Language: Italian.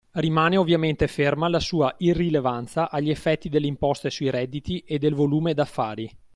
Rimane ovviamente ferma la sua irrilevanza agli effetti delle imposte sui redditi e del volume d’affari.